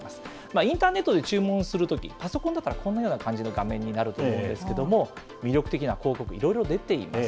インターネットで注文するとき、パソコンだったらこのような感じの画面になると思うんですけれども、魅力的な広告、いろいろ出ています。